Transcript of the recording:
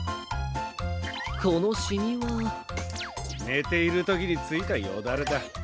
このシミは？ねているときについたヨダレだ。